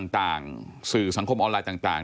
ต่างสื่อสังคมออนไลน์ต่าง